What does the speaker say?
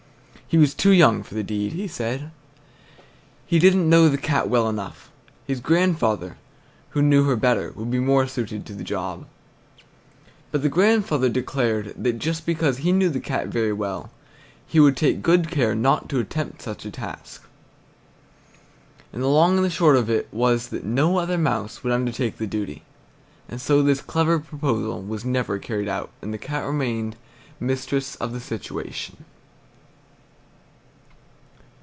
He was too young for the deed, he said. He didn't know the Cat well enough. His grandfather, who knew her better, would be more suited to the job. But the grandfather declared that just because he knew the Cat very well he would take good care not to attempt such a task. And the long and the short of it was that no other mouse would undertake the duty; and so this clever proposal was never carried out, and the Cat remained mistress of the situation.